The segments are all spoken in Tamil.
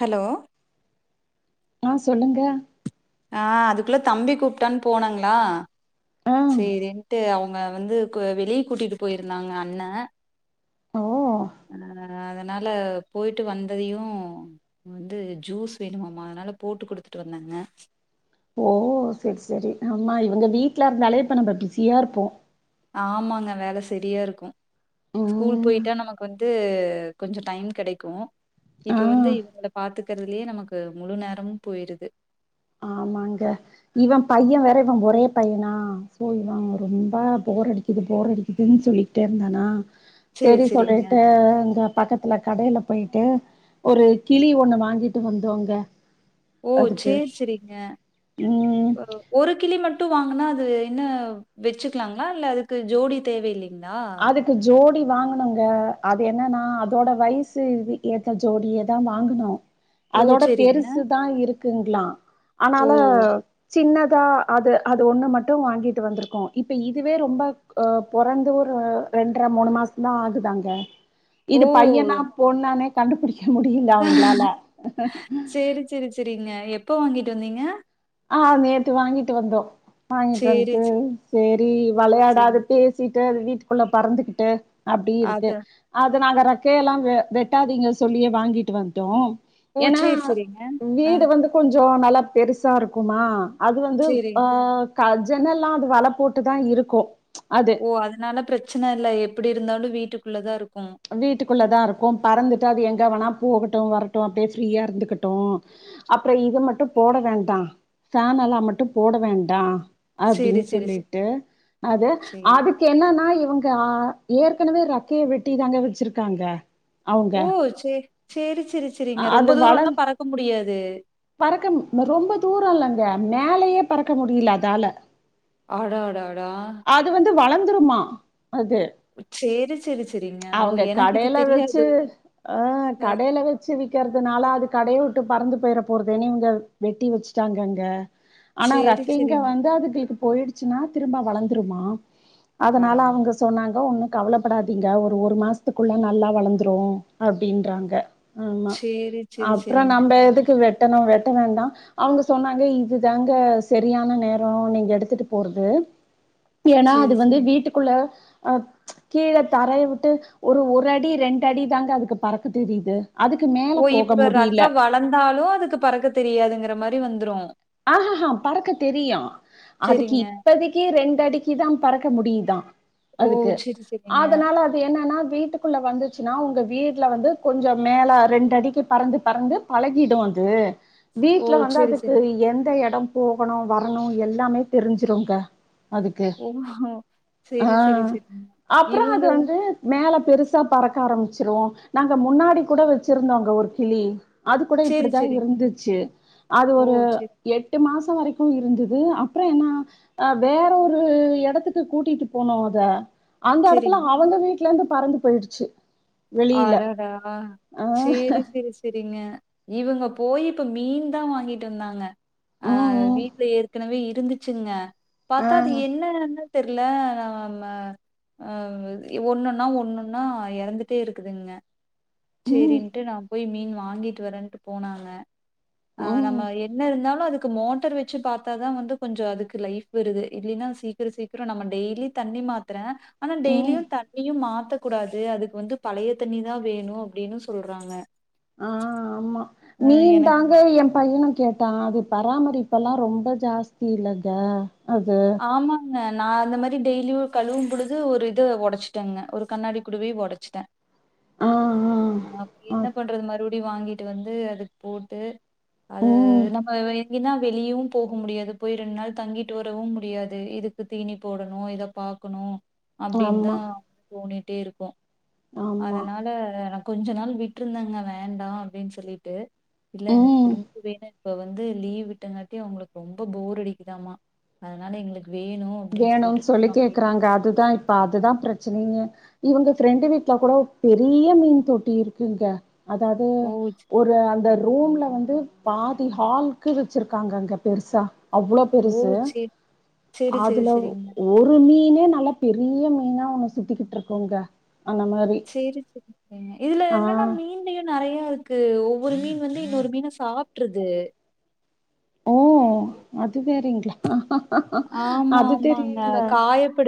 ஹலோ ஆ சொல்லுங்க ஆ அதுக்குள்ள தம்பி கூப்ட்டான்னு போனாங்களா ஆ சேரின்ட்டு அவுங்க வந்து க்கு வெளியே கூட்டிட்டு போய்ருந்தாங்க அண்ண ஓ அ அதனால போய்ட்டு வந்ததையு வந்து ஜூஸ் வேணுமாம்மா அதனால போட்டு குடுத்துட்டு வந்தாங்க ஓ செரி செரி ஆமா இவங்க வீட்டுல இருந்தாலே இப்ப நம்ம பிஸியா இருப்போ ஆமாங்க வேல செரியா இருக்கு ஸ்கூல் ம் போய்ட்டா நமக் கு வந்து கொஞ்ச டைம் கெடைக்கு ஆ இப்ப வந்து இவங்கள பாத்துக்கறதுலயே நமக்கு முழு நேரமு போய்ருது மாங்க இவ பையே வேற இவ ஒரே பையனா சோ இவ ரொம்ப போர் அடிக்குது போர் அடிக்குதுன்னு சொல்லிட்டே இருந்தானா சேரி செரி சேரிங்க சொல்லிட்டு அந்த பக்கத்துல கடையில போய்ட்டு ஒரு கிளி ஒண்ணு வாங்கிட்டு வந்தோம்ங்க ஓ சேரி சேரிங்க ம் ஒரு கிளி மட்டு வாங்குனா அது என்ன வச்சுக்கலாங்களா இல்ல அதுக்கு ஜோடி தேவை இல்லைங்களா அதுக்கு ஜோடி வாங்கணுங்க அது என்னன்னா அதோட வய்சு இது ஏத்த ஜோடி எத் தா வாங்குனோ ஓ அதோட சேரிங்க பெருசு தா இருக்குங்களா ஓ அனால சின்னதா அது அது ஒண்ணு மட்டு வாங்கிட்டு வந்திருக்குகோ இப்ப இதுவே ரொம்ப ஆ பொறந்து அ ரெண்டர மூணு மாச தா ஆகுதாங்க ஓ! இது பையனா பொண்ணானே கண்டுபுடிக்க முடியில அவுங்களால சேரி சேரிங்க எப்போ வாங்கிட்டு வந்தீங்க ஆ ஆ நேத்து வாங்கிட்டு வந்தோ வாங்கிட்டு சரி, வந்துட்டு சரி, செரி விளையாட சரி. அது பே சிட்டு அது வீட்டுக்குள்ள பறந்துகிட்டு அப்டி அத இருக்கு அது நாங்க ரெக்கைய எல்லா வெ வெட்டாதீங்க சொல்லியே வாங்கிட்டு வன்ட்டோ ஓ! ஏன்னா சரி, சரிங்க. ஆ வீடு வந்து கொஞ்சோ நல்லா பெருசா இருக்கனு அது வந்து சரி. அ க ஜன்னல்லா அது வள போட்டு தா இருக்கு அது ஒ அதனால ப்ரச்சன இல்ல எப்டி இருந்தாலு வீட்டுக்குள்ள தா இருக்கு வீட்டுக்குள்ள தா இருக்கு பறந்துட்டு அது எங்கே வேணா போகட்டு வரட்டு அப்டியே ஃப்ரீயா இருந்துக்கட்டோ அப்பறோ இத மட்டு போட வேண்டா ஃபேனலா மட்டு போட வேண்டா சரி, அப்டின்னு சரி, சரி, சொல்லிட்டு அத சரி. அதுக் என்னான்னா இவுங்க ஏற்கனவே ரெக்கைய வெட்டி தாங்க வச்சுருக்காங்க ஓ சே சேரி சேரி சேரிங்க ரொம்ப தூரம்னா பறக்க முடியாது பறக்கனு ரொம்ப தூரோ இல்லங்க மேலயே பறக்க முடில அதால அடா டா டா அது வந்து வளந்துருமா அது சேர்ரி சேரி சேரி அவுங்க கடைல வச்சு ஆ அ கடைல வ வச்சு விக்கெற்துனால அது கடைய விட்டு பறந்து போய்ற போர்துன்னு நீங்க வெட்டி வச்சுட்டாங்கங்க ஆனா சரி, ரெக்கைங்க சரிங்க. வந்து அதுகளுக்கு போயிடுச்சுன்னா திரும்ப வளந்துருமா அதனால பரவால்ல. அவுங்க சொன்னாங்க ஒன்னும் கவலப்படாதீங்க ஒரு ஒரு மாசத்துக்குள்ள நல்லா வளந்துரு அப்டின்றாங்க ஆமா சரி, சரி, அப்றோ சரிங்க. நம்ப ம். எதுக்கு வெட்டணு வெட்ட வேண்டா அவுங்க சொன்னாங்க இது தாங்க சரியான நேரோ நீங்க எடுத்துட்டு போறது ஏன்னா அது சரி, வந்து சரி. வீட்டுக்குள்ள அ கீழே தரய விட் டு ஒரு ஒரு அடி ரெண்டு அடி தாங்க அதுக்கு பறக்க தெரியிது அதுக்கு மே ஓ இப்ப றெக்க வளந்தாலும் அதுக்கு பறக்க தெரியாதுங்குற மாரி வந்துரு ஆஹ் ஹாஹா பறக்க தெரியு அதுக்கு செரிங்க இப்பதெக் கி ரெண்டு அடிக்கு தா பறக்க முடியு தா ஓ அதுக்கு செரி செரிங்க அதனால இப்ப என்னன்னா வீட்டுக்குள்ள வந்துச்சுன்னா உங்க வீட்டுல வந்து கொஞ்சோ மேல ரெண்டு அடிக்கு பறந்து பறந்து பழகிடும் அது ஓ வீட்ல வந்து செரி அதுக்கு செரி எந்த எடோ போகணு வரணு எல்லாமே தெரிஞ்சிருங்க அதுக்கு ஓ ஆ செரி செரி செரிங்க அப்பறோ அது இவுங்க வந்து மேல பெருசா பறக்க ஆரம்புச்சுரு நாங்க முன்னாடி கூட வச்சிருந்தோங்க ஒரு கிளி அது கூட செரி இப்டிதா செரி இருந்துச்சு அது ஓ ஒரு செரி எட்டு மாசோ வரைக்கு இருந்துது அப்பறோ என்னா அ வேற ஒரு எடத்துக்கு கூட்டிட்டு போனோ அத அந்த எடத்துல செரிங்க அவங்க வீட்ல இருந்து பறந்து போயிடுச்சு வெளியில அடாடா ஆ சேரி சேரி சேரிங்க இவுங்க போய் இப்ப மீன் தா வாங்கிட்டு வந்தாங்க ஆ ம் ம் வீட்ல ஏற்கனவே இருந்து ச்சுங்க ஆ பாத்தா அது என்னன்ன தெர்ல ந நாம ஒண்ணொன்னா ஒண்ணொன்னா எறந்து டே இருக்குதுங்க ம் சேரினுட்டு நா போய் மீன் வாங்கிட்டு வரேன்ட்டு போனாங்க ஆ நம்ம ம் என்ன இருந்தாலு அதுக்கு மோட்டர் வச் ச்சு பாத்தா தா வந்து கொஞ்சோ அதுக்கு லைஃப் வருது இல்லேன்னா சீக்கிரோ சீக்கிரோ நம்ம டெய்லி தண்ணி மாத்றே மாத்துறோம் ஆனா ம் டெய்லியு தண்ணியு மாத்த கூடாது அதுக்கு வந்து பழய தண்ணி தா வேணு அப்டின்னு சொல்றாங்க ஆ ஆம்மா அ மீன் தா எனக்கு அத எ பையே கேட்டா அது பராமரிப்பு எல்லா ரொம்ப ஜாஸ்தி இல்லத அது ஆமாங்க நா அந்த மாரி டெய்லியும் கழுவும் பொழுது ஒரு இத ஒடச்சுட்டேங்க ஒரு கண்ணாடி குடுவய ஒடச்ட்டே ஆ அப் ஆ ஆ என்ன பண்றது மறுபடியு வாங்கிட்டு வந்து அது போட்டு அது ம் நம்ம எங்கெனா வெளியவு போக முடியாது போய் ரெண்டு நாள் தங்கிட்டு வரவு மு முடியாது இதுக்கு தீனி போடணு இத பாக்கணு அப்டின் தா ஆமா தோணிட்டே இருக்கு ஆமா அதனால கொஞ்ச நாள் விட்டுருந்தாங்க வேண்டா அப்டின்னு சொல்லிட்டு இல்ல எனக்கு ம் திரும்ப வேணு இப்ப வந்து லீவ் விட்டங்காட்டியு அவங்களுக்கு ரொம்ப போர் அடிக்குதாமா அதனால எங்களுக்கு வேணு வேணுன்னு சொல்லி கேக்குறாங்க அதுதா இப்ப அதுதா பிரச்சனயே இவங்க ஃப்ரெண்டு வீட்ல கூட பெரிய மீன் தொட்டி இருக்குங்க அதாது ஓ! ச்ச- ஒரு ஒரு அந்த ரூம்ல வந்து பாதி ஹால்க்கு வச்சிருக்காங்க அங்க பெருசா அவ்ளோ ஓ! பெருசு சரி, சரி, சரி, அதுல சரிங்க. ஒரு மீனே நல்லா பெரிய மீனா ஒன்னு சுட்டுட்டு இருக்கோங்க அந்த மாரி சேரி இதுல ஆ என்னன்னா மீன் நெறையா இருக்கு ஒவ்வொரு மீன் வந்து இன்னொரு மீன சாப்ட்ருது ஓ அது வேறைங்களா அது தெரியல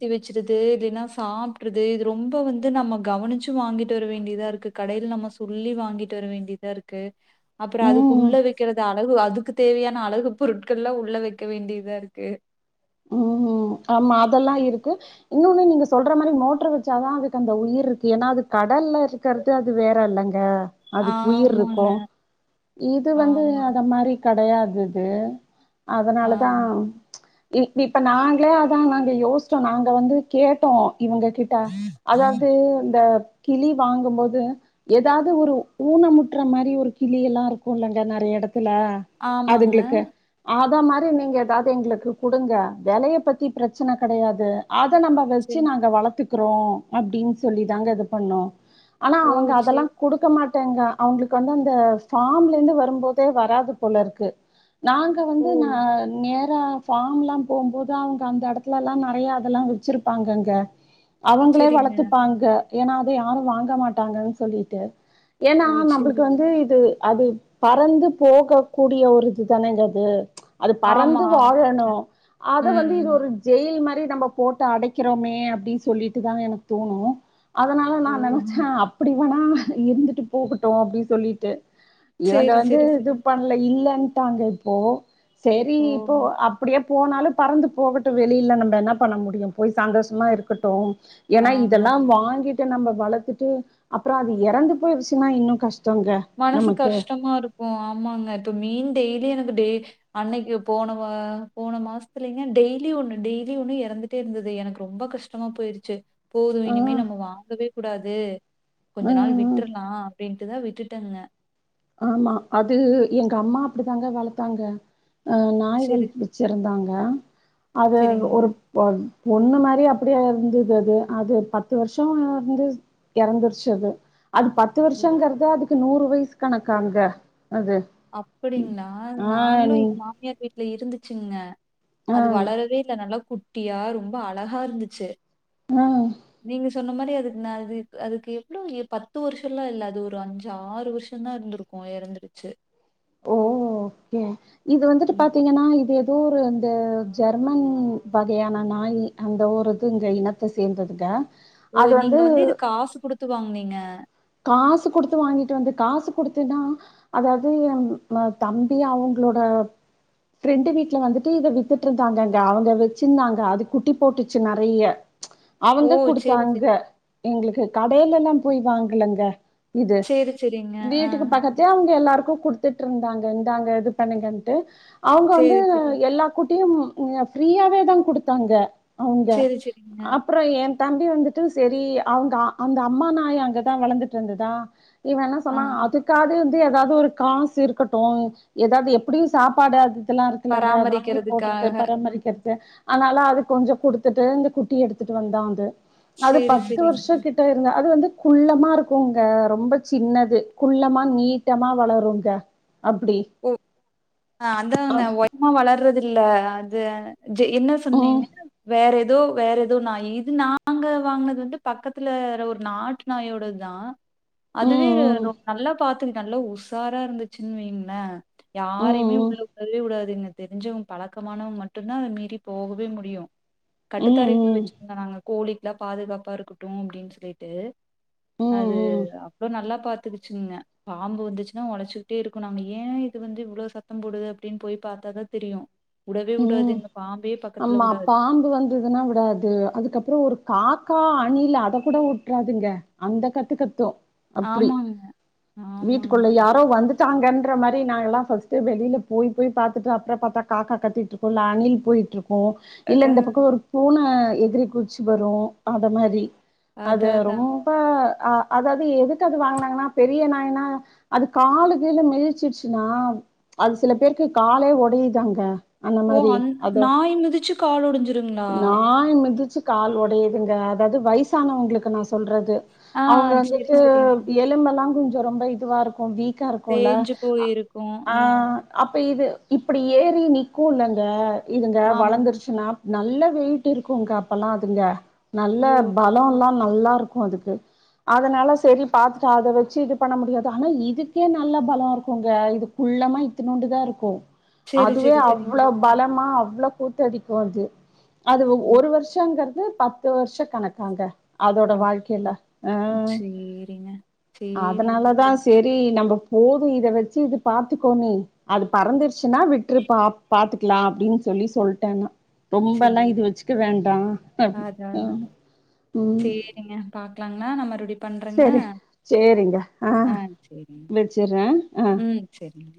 சுத்தி வச்சுருது இல்லைன்னா சாப்பிடறது இது ரொம்ப வந்து நம்ம கவனிச்சு வாங்கிட்டு வர வேண்டியதா இருக்கு கடையில நம்ம சொல்லி வாங்கிட்டு வர வேண்டியதா இருக்கு அப்றோ ம் அதுக்குள்ள வைக்கிறது அழகு அதுக்கு தேவையான அழகு பொருட்கள் எல்லா உள்ள வைக்க வேண்டியதா இருக்கு ம் ம் ஆமா அதெல்லா இருக்கு இன்னோனு நீங்க சொல்ற மாரி மோட்டர் வச்சாதா அதுக்கு அந்த உயிர் இருக்கு ஏன்னா அது கடல்ல இருக் இருக்குறது அது வேற இல்லங்க அதுக்கு உயிர் ஆமாங்க, இருக்கு இது வந்து ஆமாங்க. அத மாரி கெடையாதுது அதனால தா ஆம். இ இப்ப நாங்களே அதா நாங்க யோசிச்சோ நாங்க வந்து கேட்டோ இவங்க கிட்ட அதாவது இந்த கிளி வாங்கும்போது ஏதாவது ஒரு ஊனமுட்டுற மாரி ஒரு கிளி எல்லா இருக்கும்லங்க நெறைய இடத்துல ஆமாங்க. அதுங்களுக்கு அத மாதிரி நீங்க ஏதாவது எங்களுக்கு கொடுங்க வெலையபத்தி பிரச்சன கெடையாது அத நம்ம வச்சு சரி. நாங்க வளத்துக் இருக்கறோ அப்டின்னு சொல்லி தாங்க இது பண்ணோ ஆனா ஓ! அவங்க அதெல்லா சரி. குடுக்க மாட்டேங்க அவங்களுக்கு வந்து அந்த ஃபம்ல இருந்து வரும்போதே வராது போல இருக்கு நாங்க ஓ! வந்து ந நேரா ஃபாம் எல்லா போம்போது அவங்க அந்த எடத்துல எல்லா நெறையா அதெல்லா வச்சிருப்பாங்க அங்க அவங்களே சரிங்க. வளத்துப்பாங்க ஏன்னா அத யாரு வாங்க மாட்டாங்கன்னு சொல்லிட்டு ஏன்னா ஓ! நம்மளுக்கு சரி. வந்து இது அது பறந்து போகக் கூடிய ஒரு இது தானேங்க அது ஆமா, பறந்து ஆமா. வாழணு அத ம், வந்து இது ம். ஒரு ஜெயில் மாரி நம்ம போட்டு அடைக்கிறோமே அப்டின்னு சொல்லிட்டு தாங்க எனக்கு தோணு அதனால நா ஓ! நெனச்சே அப்டி வேணா இருந்துட்டு போகட்டு அப்டின்னு சொல்லிட்டு இவங்க சரி, வந்து சரி, இது சரி. பண்ணல இல்லன்ட்டாங்க இப்போ செரி ஓ! இப்போ அப்டியே போனாலு பறந்து போகட்டு வெளியில நம்ம என்ன பண்ண முடியு போய் சந்தோஷமா ஆ இருக்கட்டு ஏன்னா ஆமா. இதெல்லா வாங்கிட்டு நம்ம வளத்துட்டு அப்றோ அது எறந்து போயிருச்சுன்னா இன்னு கஷ்டங்க மனசு நமக்கு கஷ்டமா இருக்கு ஆமாங்க இப்போ மீன் டெய்லி எனக்கு டே அன்னைக்கு போன போன மாசத்துலங்க டெய்லி ஒண்ணு டெய்லி ஒண்ணு எறந்துட்டே இருந்தது எனக்கு ரொம்ப கஷ் கஷ்டமா போயிருச்சு போது இனிமே ஆஹ் நம்ம வாங்கவே கூடாது கொஞ்ச நாள் ஆஹ் விட்டுரலா அப்டின்ட்டுதா விட்டுட்டேனுங்க ஆமா அது எங்க அம்மா அப்டித்தாங்க வளத்தாங்க அ நாய் வள சரி, ச்சுருந்தாங்க அது சரிங்க. ஒரு ஒரு பொண்ணு மாரி அப்டியே இருந்தது அது அது பத்து வருஷோ இருந்து எறந்தருச்சு அது அது பத்து பத்து ம். வருஷங்கறது அதுக்கு நூறு வயசு கணக்காங்க அது அப்டிங்களா ஆ நாங்களு எங்க மாமியார் வீட்ல இருந்துச்சுங்க ஆ அது வளரவே இல்ல நல்லா குட்டியா ரொம்ப அழகா இருந்துச்சு நீங்க சொன்ன மாரி அதுக்கு நா இது அதுக்கு எவ்ளோ பத்து வருஷோலா இல்ல அது ஒரு அஞ்சு ஆறு வருஷ தா இருந்திரு‌ கோ எறந்துடுச்சு ஓ ஓகே இது வந்துட்டு ம். பாத்தீங்கன்னா இது ஊர் அந்த ஜெர்மன் வகையான நாய் அந்த ஊர் இது இங்க இனத் த சேர்ந்ததுக ஓ நீங்க வந்து இது காசு குடுத்து வாங்கனீங்க காசு குடுத்து வாங்கிட்டு வந்து காசு குடுத்துதா அதாவது தம்பி அவங்களோட ஃப்ரெண்டு வீட்ல வந்துட்டு இத வித்துட்டு இருந்தாங்க அங்க அவங்க வச்சிந்தாங்க அது குட்டி போட்டுச்சு நறைய ஓ! அவங்க சரி, குடுத்தாங்க சரி. எங்களுக்கு கடையிலா போய் வாங்கலங்க இது சரி, சரிங்க. ஆ. வீட்டுக்கு பக்கத் து அவங்க எல்லாருக்கு குடுத்துட்டு இருந்தாங்க இந்தாங்க இது பண்ணுங்கன்ட்டு அவங்க வந்து சரி, சரி. எல்லா குட்டியும் ஃப்ரீயாவே தா குடுத்தாங்க அவுங்க சரி, சரிங்க. அப்பற எ தம்பி வந்துட்டு சரி அவுங்க அந்த அம்மா நாய் அங்க வளந்துட்டு இருந்ததா இவ என்ன ஆ. சொன்னா அதுக் க்காது வந்து ஏதாவது ஒரு காசு இருக்கட்டு ஏதாவது எப்டியு சாப்பாடுஅது இதலா இருக்குல்லங்க வாங்கி போட்றது பராமரிக்கிறதுக்காக. பராமரிக்கற்து அதனால அது கொஞ்சோ குடுத்துட்டு இந்த குட்டி எடுத்துட்டு வந்தா அது அது சரி, பத்து சரிங்க. வருஷ கிட் ட இருங்க அது வந்து குள்ளமா இருக்குங்க ரொம்ப சின்னது குள்ளமா நீட்டமா வளருங்க அப்டி ஓ அதாங்க ஒயரமா வளர்றது இல்ல அது ஜ என்ன ம் சொன்னீங்க வேற எதோ வேற எதோ நாய் இது நாங்க வாங்கனது வந்து பக்கத்துலற ஒரு நாட்டு நாயோடு தா அதுவே ம் நல்லா பாத்துக்கு நல்லா உஷாரா இருந்துச்சுன்னு வைங்கள ம் யாரையுமே ம் உள்ள உடவே உடாதுங்க தெரிஞ்சவங்க பழக்கமானவங்க மட்டுதா அத மீறி போகவே முடியு கட்டுத்தாரைக்குல் ம் ம் வச்சிருந்தோ நாங்க கோழிக்கு எல்லா பாதுகாப்பா இருக்கட்டு அப்டின்னு சொல்லிட்டு அது ம் அவ்ளோ நல்லா பா த்துகுச்சுங்க பாம்பு வந்துச்சுன்னா ஒழச்சுக்கிட்டே இருக்கு நாங்க ஏ இது வந்து இவ்ளோ சத்தம் போடுது அப்டின்னு போய் பாத்தாதா தெரியு உடவே உடாது ம் எங்க பாம்பையே பக்கத்துல உடாது துதுனா உடாது அதுக்கப்புறோ ஒரு காக்கா அணில் அத கூட உட்றாதுங்க அந்த கத்து கத்தூ அப்டி ஆமாங்க ஆமாங்க வீட்டுக்குள்ள அதா யாரோ வந்து சாங்கன்ற மாரி நா எல்லா ஃபர்ஸ்ட் வெளில போய் போய் பாத்துட்டு அப்பற பாத்தா காக்கா கத்திட்டு இருக்கு இல்ல அணில் போய்ட்டு இருக்கு இல்ல இந்த பக்க ஒரு பூன எதிரி குச்சி வரு அ மாரி அது அதா அதா ரொம் அப்ப அதாவது எதுக்கு அது வாங்கனாங்கன்னா பெரிய நாய்னா அது கால கீழ மெதிச்சிருச்சுன்னா அது சில பேருக்கு காலே உடையுதாங்க அந்த ஓ மாதிரி அந் அதோ நாய் மிதிச்சு கால் ஒடஞ்சிருங்களா நா மிதிச்சு கால் ஒடையுதுங்க அதாவது வயசானவங்களுக்கு நா சொல்றது ஆ அவுங்க செரி வந்துட்டு செரிங்க எலும்பல்லா கொஞ்சோ ரொம்ப இதுவா இருக்கு வீக் க்க இருக்குல தேஞ்சு போயிருக்கு ஆ அப்ப இது இப்பிடி ஏறி நிக்கு இல்லங்க இதுங்க ஆமாங்க வளந்துருச்சுனா நல்ல வெயிட் இருக்குங்க அப்பல்லா அதுங்க நல்ல ஓ பலோலா நல்லாருக்கு அதுக்கு அதனால செரி பாத்துட்டு அத வெச்சு இது பண்ண முடியாது ஆனா இதுக்கே நல்ல பலோ இருக்குங்க இது குள்ளமா இத்துனோண்டு தா இருக்கு செரி அதுவே செரி செரிங்க அவ்வளவு பலமா அவ்ளோ கூட்டடிக்கு அது அது செரி ஒரு வர்ஷோங்கற்து பத்து வர்ஷ கணக்காங்க அதோட ஆ வாழ்க்கையில ம் சேரிங்க சேரிங்க அதனாலதா செரி சரி நம்ம போது இத வச்சு இது பாத்துக்கோனே அது பறந்துருச்சுனா விட்ருப்பா பாத்துக்கிலா அப்டின் சொல்லி சொல்ட்டே நா ரொம்பல்லா சேரி இது வச்சுக்க வேண்டா ம் இங்க பாக்கலாங்கிலா நாமறுவுடி செரி செரிங்க ஆ வெச்சுற ஆ செரிங்க